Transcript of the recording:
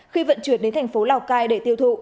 khi vận chuyển đến thành phố lào cai để tiêu thụ